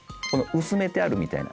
薄めてあるみたいな。